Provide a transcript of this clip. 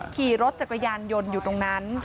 ขี่รถจักรยานยนต์อยู่ตรงนั้น